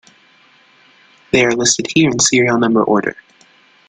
They are listed here in serial number order.